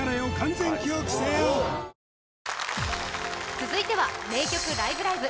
続いては「名曲ライブ！ライブ！」。